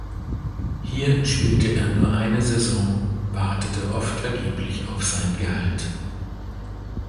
Hier spielte er nur eine Saison, wartete oft vergeblich auf sein Gehalt.